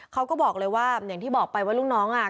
เขาก็บอกเลยว่าอย่างที่บอกไปว่าลูกน้องอ่ะ